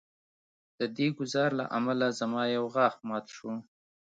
د دې ګزار له امله زما یو غاښ مات شو